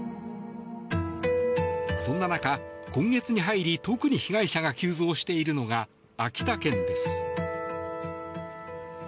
そんな中、今月に入り特に被害者が急増しているのが秋田県です。